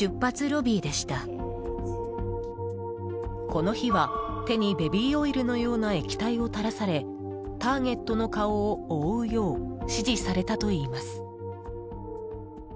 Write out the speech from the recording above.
この日は手にベビーオイルのような液体を垂らされターゲットの顔を覆うよう指示されたといいます。